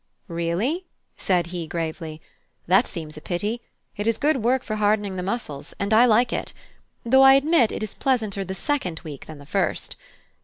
"Really?" said he gravely, "that seems a pity; it is good work for hardening the muscles, and I like it; though I admit it is pleasanter the second week than the first.